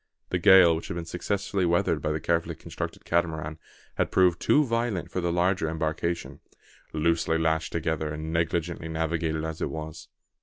The gale, which had been successfully weathered by the carefully constructed Catamaran, had proved too violent for the larger embarkation, loosely lashed together, and negligently navigated as it was.